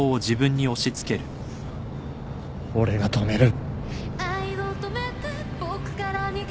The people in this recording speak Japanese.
俺が止める。